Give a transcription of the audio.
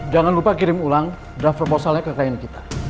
jangan lupa kirim ulang draft proposalnya ke klien kita